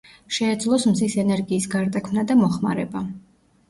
შეეძლოს მზის ენერგიის გარდაქმნა და მოხმარება.